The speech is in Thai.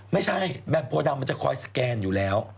ไม่ใช่แหม่มพ้วดำมันจะคอยสแกนอยู่แล้ว